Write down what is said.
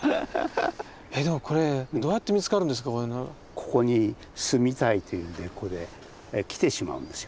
ここに住みたいというんで来てしまうんですよ